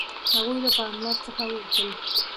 هغوی له پالمر څخه وغوښتل.